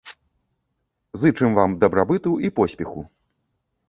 Зычым вам дабрабыту і поспеху!